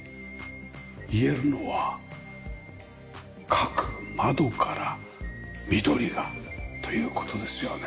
言えるのは各窓から緑がという事ですよね。